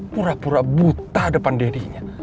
pura pura buta depan dirinya